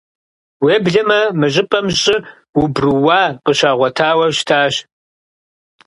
Уеблэмэ, мы щӀыпӀэм щӀы убрууа къыщагъуэтауэ щытащ.